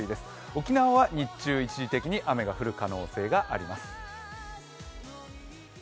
沖縄は日中、一時的に雨が降る可能性があります。